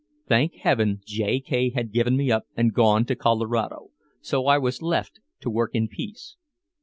Thank heaven J. K. had given me up and gone to Colorado so I was left to work in peace.